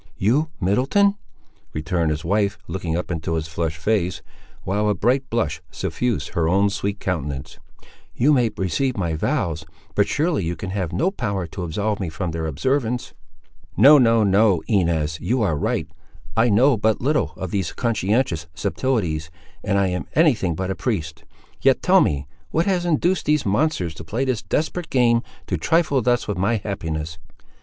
"You, Middleton!" returned his wife looking up into his flushed face, while a bright blush suffused her own sweet countenance; "you may receive my vows, but surely you can have no power to absolve me from their observance!" "No, no, no. Inez, you are right. I know but little of these conscientious subtilties, and I am any thing but a priest: yet tell me, what has induced these monsters to play this desperate game—to trifle thus with my happiness?"